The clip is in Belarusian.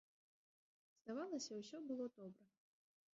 Здавалася, усё было добра.